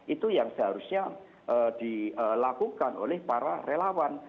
itu yang seharusnya dilakukan oleh para relawan